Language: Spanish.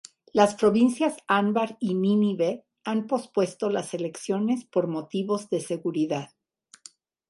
Las provincias Anbar y Nínive han pospuesto las elecciones por motivos de seguridad.